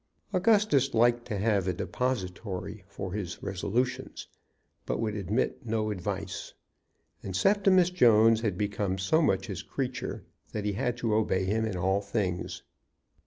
Augustus liked to have a depositary for his resolutions, but would admit no advice. And Septimus Jones had become so much his creature that he had to obey him in all things.